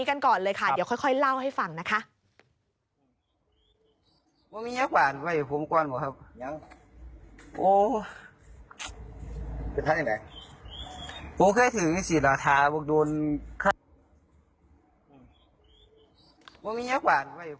มันมีอย่างกว่านว่าอยู่ภูมิกว้านหรือเปล่า